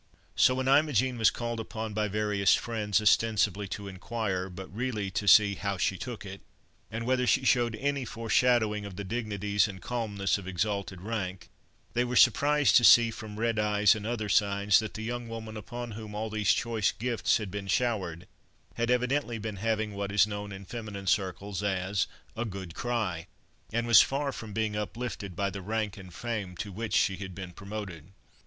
So when Imogen was called upon by various friends, ostensibly to inquire, but really to see "how she took it," and whether she showed any foreshadowing of the dignities, and calmness of exalted rank, they were surprised to see from red eyes, and other signs, that the young woman upon whom all these choice gifts had been showered had evidently been having what is known in feminine circles, as "a good cry," and was far from being uplifted by the rank and fame to which she had been promoted.